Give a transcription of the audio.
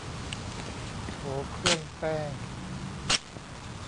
โถเครื่องแป้ง